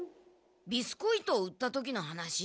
ビスコイトを売った時の話？